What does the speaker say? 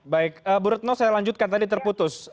baik bu retno saya lanjutkan tadi terputus